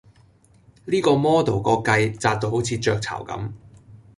呢個 model 個髻扎到好似雀巢咁